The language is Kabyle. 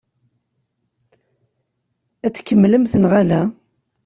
Ad t-tkemmlemt neɣ ala?